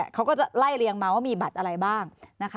เขาก็จะไล่เรียงมาว่ามีบัตรอะไรบ้างนะคะ